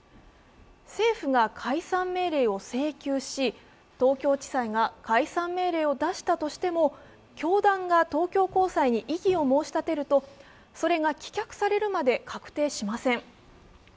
政府が解散命令を請求し、東京地裁が解散命令を出したとしても教団が東京高裁に異議を申し立てるとそれが棄却されるまで確定しません。